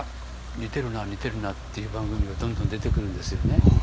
似てるな似てるなっていう番組がどんどん出てくるんですよね。